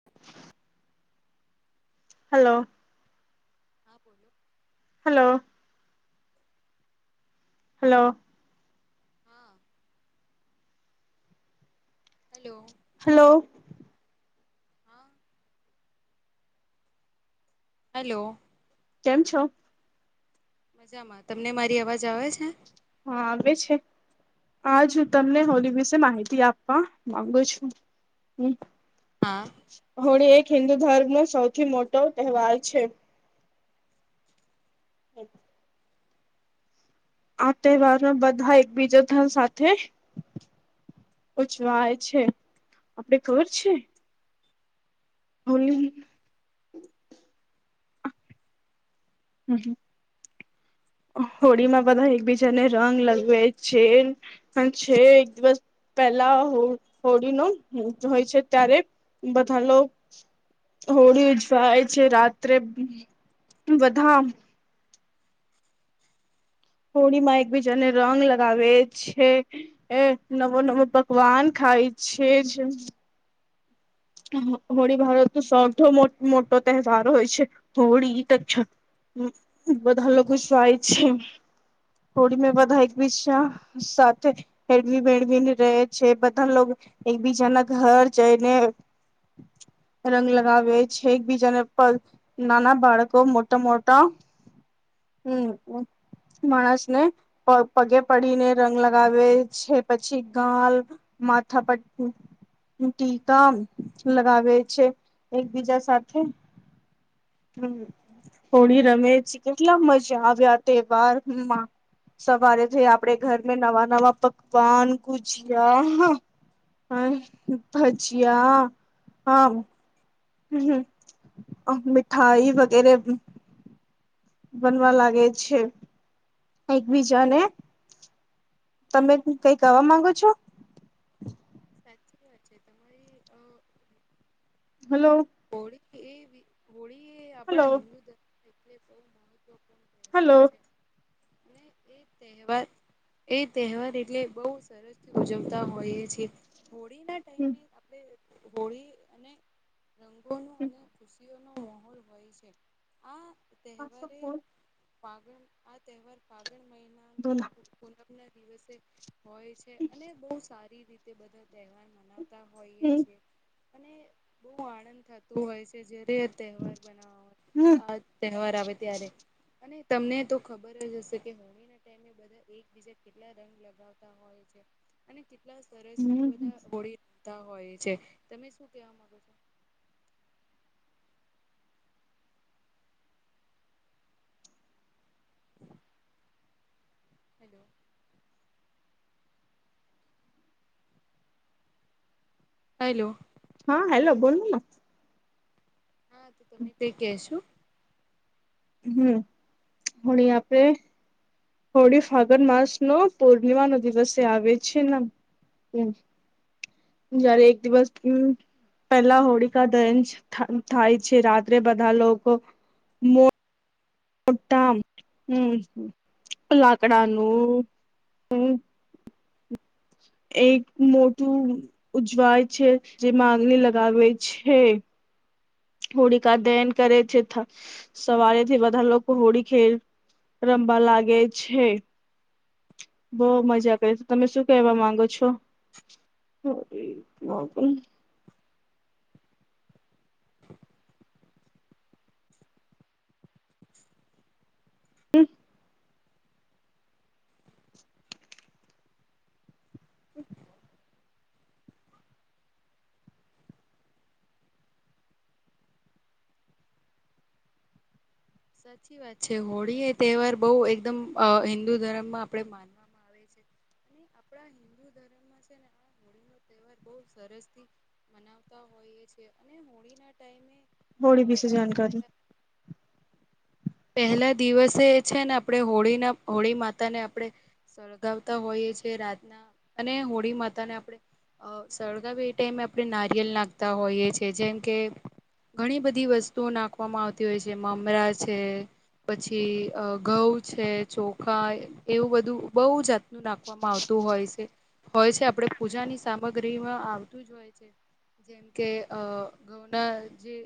[inaudible] Hello. [inaudible] Hello. Hello. હા hello. Hello. હા hello. કેમ છો? મજામાં, તમને મારી અવાજ આવે છે? હા આવે છે. હજ હું તમને હોલી વિશે માહિતી આપવા માંગુ છું. હમ. હા. હોળી એક હિન્દુ ધર્મનો સૌથી મોટો તહેવાર છે. એમ. આ તહેવારમાં બધા એકબીજા ધન સાથે ઉજવાય છે, આપડે ઘર છે હોલી હમ. હોળીમાં બધા એકબીજાને રંગ લગવે છે હ છે એક દિવસ પહેલા હો હોળી નત હોય છે ત્યારે બધા લોગ હોળી ઉજવાય છે, રાત્રે બધા હોળીમાં એકબીજાને રંગ લગાવે છે એ નવો નવો પકવાન ખાય છે જ હોળી ભારતનો સૌથ મોટ મોટો તહેવાર હોય છે, હોળી તો છ હ બધા લોકો સ્વાય છે. થોડી મેં બધા એકબીજા સાથે હળવી બેડવી ને રહે છે, બધા લોકો એકબીજા ના ઘર જઈને રંગ લગાવે છે એકબીજાને પર નાના બાળકો મોટા મોટા હમ. માણસને પગે પડીને રંગ લગાવે છે, પછી ગાલ માથા પર ટીકા લગાવે છે, એકબીજા સાથે હમ હોળી રમેશ, કેટલા મજા આવ્યા તહેવારમાં સવારે થઈ આપડે ઘરમાં નવા નવા પકવાન ગુજિયા. હા, ભજિયા. હા.. હમ, હમ મીઠાઈ વગેરે.. બનવા લાગે છે. એકબીજા ને. તમે કઈ કાવા માંગો છો? સાચી વાત છે તમારી અ. હલો! હોળી એ હોળી એ હલો આપણા હિન્દુ ધર્મ એટલે બહુ મહત્વપૂર્ણ. તહેવાર હલો છે અને એ. તહેવાર એ તહેવાર એટલે બહુ સરસથી ઉજવતા હોયે છે. હોળી ના. હમ.. આપણે હોળી અને રંગોનું અને ખુશીઓ. નો માહોલ હોય છે આ તહેવારે. બોલા પગણ આ તહેવાર પાગણ મહિનામાં પૂનમ ના દિવસે. હોય છે અને બહ સારી રીતે બધા તહેવાર મનાવતા હોઈએ છેએ. અને બહુ આનંદ થતો હોય છે જે ર તહેવાર મનાવય આ. તહેવાર આવે ત્યારે અને તમને તો ખબર જ હશે કે હોળી ના ટાઈમે. એકબીજા કેટલા રંગ લગાવતા હોય છે અને કેટલા સર એ બધા હોળી રમતા હોય છે તમે શું કેવા માંગો છો. હેલો! હલો! હા, હેલો બોલલો.. હા તો તમે કઈ કશો. હમ હણી આપડે. હોળી ફાગન માસ નો પૂર્ણિમા નો દિવસ એ આવે છે ને. જયારે એક દિવસ હમ. પેલા હોળકા દહન થાય છે રાત્રે બધા લોકો. મોટા હમ લાકડાનું હમ. એક મોટું ઉજવાય છે જેમા આગ લગાવે છે. હોળીકા દહન કરે છે સવારે થી બધા લોકો હોળી ખે. રમવા લાગે છે. બઉ મજા કરી છે તમે શું કેવા માંગો છો. [unintelligible] [unintelligible] [unintelligible] [inaudible] સાચી વાત છે હોળી એ તહેવાર બહુ એકદમ હિન્દુ ધર્મમાં આપડે માની. આપણા હિન્દુ ધર્મમાં છે ને આ હોળી નો તહેવાર બહ સરસ થી. મનાવતા હોઈએ છેએ અને હોળી ના ટાઈમે હોળી વિશે આપણે જાણકારી પેલા. [inaudible] [inaudible] પહેલા દિવસે છે, ને આપણે હોળી ના હોળી માતા ને આપણે. સળગાવતા હોઈએ છે, રાતના અને હોળી માતા ને આપણે. અ સળગાવી એ ટાઈમે આપણે નારિયેલ નાખતા હોઈએ છીએ જેમ કે. ઘણી બધી વસ્તુઓ નાખવામાં આવતી હોય છે, મમરા છે. પછી ઘઉં છે, ચોખા એવું બધું બહુ જાતનું નાખું. આપવામાં આવતું હોય છે, હોય છે આપે પૂજાની સામગ્રીમાં આવતું જ હોય છે. જેમ કે અ ઘઉંના જે.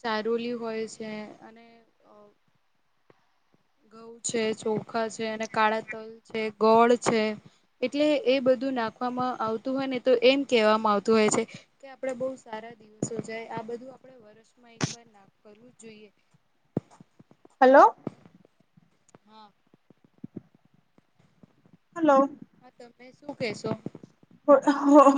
ચારોલી હોય છે અને. ઘઉં છે ચોખા છે અને કાળા તલ છે ગોળ છે. એટલે એ બધું નાખવામાં આવતું હોય ને તો એમ કેહેવામાં આવતું હોય છે. કે આપણેે બહુ સારા દિવસો જાય આ બધું આપડે વર્ષમાં એકવાર લાભ કરવું જ જોઈએ. હલો. હા. હલો. [unintelligible] શું કેશો.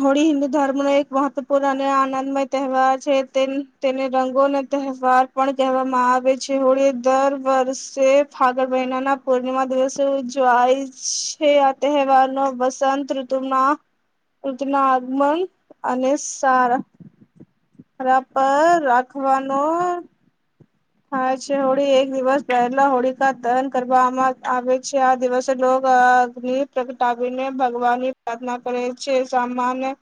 હોળી હિન્દુ ધર્મનો એક મહત્વપૂર્ણ અને આનંદમય તહેવાર છે, તે. તેને રંગો ના તહેવાર પણ કહેવામાં આવે છે, હોળી દર વર્ષે ફાગણ મહિનાના. હોળીમાં દિવસે [unintelligible] જોય છે, આ તહેવાર નો વસંત ઋતુ માં. [unintelligible] આગમન અને સારા. [unintelligible] પર રાખવાનો. [unintelligible] છે, હોળી એક દિવસ પહેલા હોળીકા દહન કરવામાં આવે છે, આ દિવસે પ્રગટાવીને ભગવાન ની પ્રાર્થના કરે છે, સામાન્ય.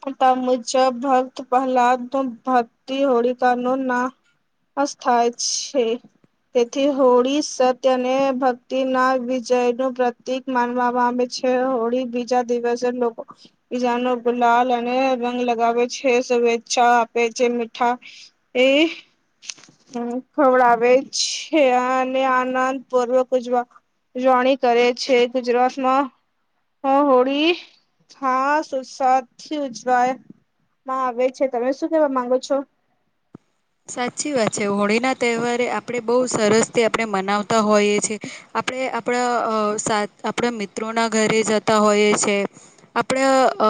[unintelligible] મુજબ ભક્ત પહેલાદ ભક્તિ હોળી [unintelligible] [unintelligible] તેથી હોળી સત્યને ભક્તિ ના વિજય નું પ્રતિક. માનવામાં આવે છે હોળી બીજા દિવસે લોકો બીજાનો ગુલાલ અને રંગ લગાવે છે શુભેચ્છા આપે છે મીઠા એ હમ ખવડાવ છે અને આનંદ પૂર્વ ઉજવા પૂજવાની કરે છે ગુજરાતમાં હા હોળી થી ઉજવાય. [unintelligible] માં આવે છે, તમે શું કેવા માંગો છો. સાચી વાત છે, હોળીના તહેવારે આપણે બહુ સરસથી આપણે મનાવતા હોઈએ છે. આપણે આપણા [unintelligible] આપણા મિત્રોના ઘરે જતા હોઈએ છે. આપડે અ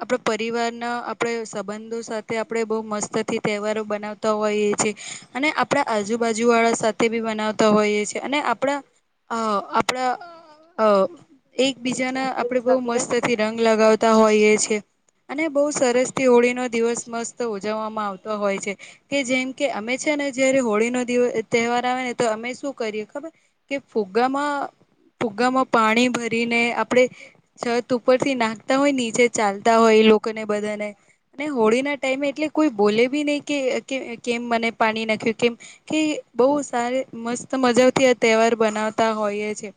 આપડ પરિવાર ના આપડે સંબંધો સાથે આપડે બહ મસ્તથી તહેવારો બનાવતા. હોઈએ છે, અને આપણા આજુબાજુ વાળા સાથે બી બનાવતા. તો હોઈએ છેએ અને આપણા અ આપણા અ. એક બીજા ના આપડે બહુ મસ્ત. થી રંગ લગાવતા હોય એ છે, અને બહુ સરસ થી હોળીનો [unintelligible] દિવસ મસ્ત ઉજવવામાં આવતા હોય છે. કે જેમ કે અમે છે, ને જયારે હોળી દીવ નો તહેવાર આવે ને તો અમે શું કરીએ ખબર. કે ફુગ્ગામાં ફુગ્ગામાં પાણી ભરીને આપણેે. છત ઉપરથી નાખતા હોય નીચે ચાલતા હોય એ લોકો ને બધાને. અને હોળી ના ટાઈમે એટલે કોઈ બોલે બી નહી કે કેમ મને પાણી નાખ્યું કેમ કે બહ સારી મસ્ત મજાથી આ તહેવાર બનાવતા હોઈએ છે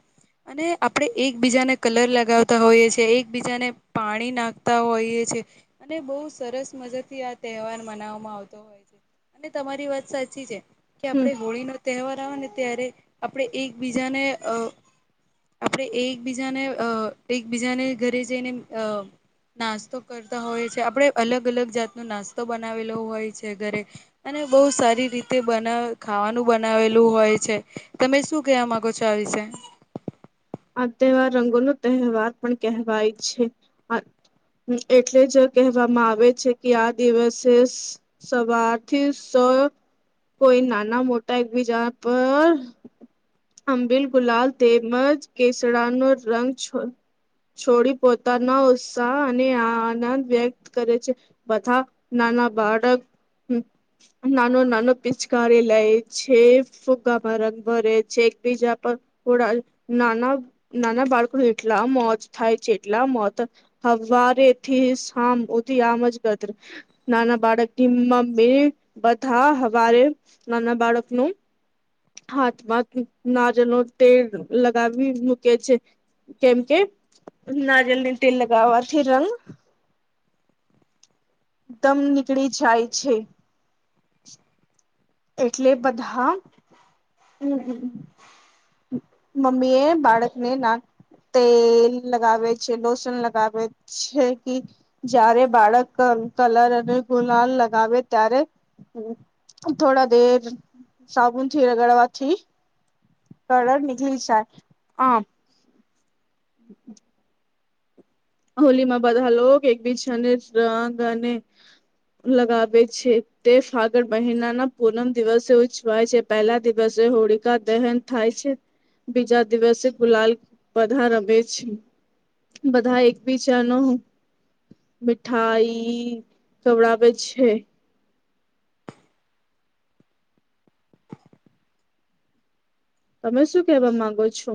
અને આપણે એકબીજાને કલર લગાવતા હોઈએ છ છેએ એકબીજાને પાણી નાખતા હોઈએ છ છેએ અને બહુ સરસ મજા થી આ તહેવાર મનાવવામાં આવતો હોય છે અને તમારી વાત સાચી છે કે હમ આપે હોળી ન તહેવાર આવે ને ત્યારે આપણે એકબીજાને અ આપણે એકબીજાને અ એકબીજાને ઘરે જઈને અ નાસ્તો કરતા હોય છે આપણે અલગ અલગ જાતનો નાસ્તો બનાવેલો હોય છે ઘરે અને બહુ સારી રીતે બના ખાવાનું બનાવેલું હોય છે તમે શું કયા મામાંગો છો આ વિશે આ તહેવાર રંગો ન તહેવાર પણ કહેવાય છે એટલે જ કહેવામાં આવે છે કે આ દિવસે સવારથી સ કોઈ નાના મોટા એકબીજા પર અંબિલ ગુલાલ તે મજ કેસડાનો રંગ છો છોડી પોતાના ઉત્સાહ અને આનંદ વ્યક્ત કરે છે બધા નાના બાળક હ નાનો નાનો પિચકારી લે છે ફુગામાં રંગ ભરે છે એકબીજા પર ડા નાના નાના બાળકો એટલા મોજ થાય છે એટલા મોજ હવા રેથીથી સમ ઉથી આમજ કદ નાના બાળકનીમ મે‌ બથા હ નાના બાળકનું હાથમાં નાજલ ન તેલ લગાવી મૂકે છે કેમ કે નારીયલ ને તેલ લગાવવાથી રંગ દમ નીકળી જાય છે એટલે બધા હમમ મમ્મી એ બાળક ને નાન તેલ લગાવે છે લોસન લગાવે છે કે જયારે બાળક કલર અને ગુલાલ લગાવે ત્યારે થોડા દર સાબુનથી રગડવાથી. કલળ નનીકલી જાય હ [inaudible] હોલીમાં બધા લોક એકબીછાને રંગ અને લગાવે છે. તે ફાગળ મહિનાના પૂનમ દિવસે ઉછવાય છે. પહેલા દિવસે હોળકા દહેન થાય છે. બીજા દિવસે ગુલાલ બધા રમે છે, બધા એક. બચાર ન મીઠાઈ કવડાવે છે તમે શું કેવા માંગો છો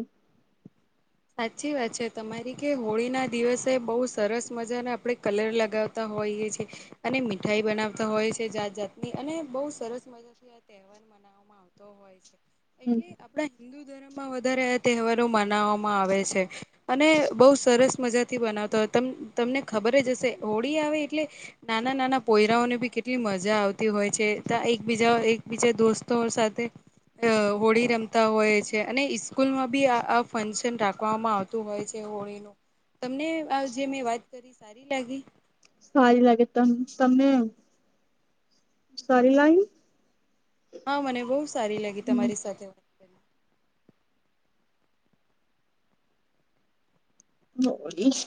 સાચી વાત છે તમારી કે હોળી ના દિવસે બઉુ સરસ મજાને આપડે કલર લગાવતા હોઈ છે અને મીઠાઈ બનાવતા હોય છે જાત જાતની અને બહુ સરસ મજા આ તહેવાર મનાવવામાં આવતો હોય છે એટલે આપણા હિન્દુ ધર્મમાં વધારે આ તહેવારો મનાવામાં આવે છે અને બહુ સરસ મજાથી બનાવતા હોય તમને ખબર જ હશે હોળી આવે એટલે નાના નાના પોયરાઓને બી કેટલી મજા આવતી હોય છે ત એકબીજા એકબીજા દોસ્તો સાથે અ હોળી રમતા હોય છે અને ઇસ્કૂલમાં બી આ આ ફશન રાકવામાં આવતું હોય છે હોળીનું તમને જે મેં વાત કરી સારી લાગી સારી લાગે ત તમને સારી લાગી હા મને બહુ સારી લાગી તમારી સાથે કરી નોડી